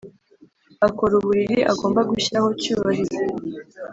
akora uburiri agomba gushyiraho cyubahiro